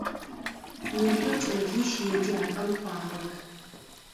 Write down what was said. Непэ кӏэлищ еджапӏэм кӏуагъэп.